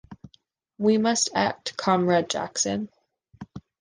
We must act, Comrade Jackson!